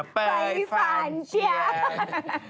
เป๋ยฝานเจียง